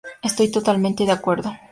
Estoy totalmente de acuerdo.